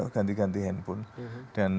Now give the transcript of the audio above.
berganti ganti handphone dan